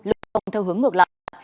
lưu thông theo hướng ngược lại